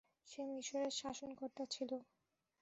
সে মিসরের শাসনকর্তা ছিল।